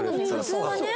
そうなのよ